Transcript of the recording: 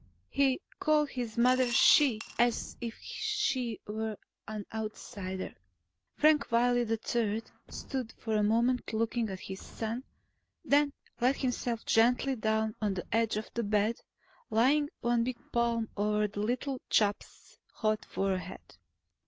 He called his mother "She" as if she were an outsider.... Frank Wiley III stood for a moment looking at his son, then let himself gently down on the edge of the bed, laying one big palm on the little chap's hot forehead.